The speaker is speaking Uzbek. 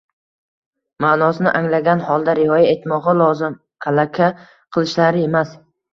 ma’nosini anglagan holda rioya etmog‘i lozim, kalaka qilishlari emas.